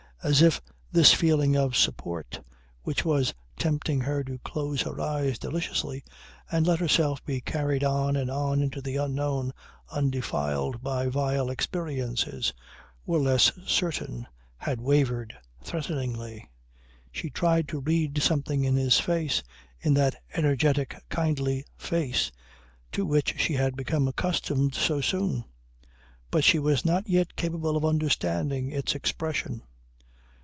As if this feeling of support, which was tempting her to close her eyes deliciously and let herself be carried on and on into the unknown undefiled by vile experiences, were less certain, had wavered threateningly. She tried to read something in his face, in that energetic kindly face to which she had become accustomed so soon. But she was not yet capable of understanding its expression.